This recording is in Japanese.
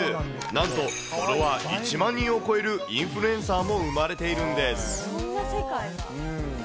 なんとフォロワー１万人を超えるインフルエンサーも生まれているそんな世界が。